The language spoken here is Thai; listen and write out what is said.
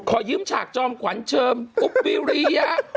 ขอยืมฉากจอมขวัญเชิมอุ๊บวิริยะ